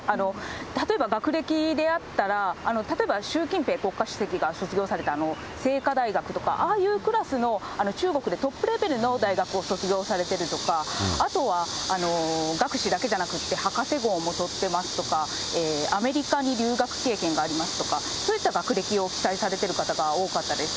例えば学歴であったら、例えば習近平国家主席が卒業されたせいか大学とか、ああいうクラスの、中国でトップレベルの大学を卒業されているとか、あとは学士だけでなくて、博士号も取ってますとか、アメリカに留学経験がありますとか、そういった学歴を記載されてる方が多かったです。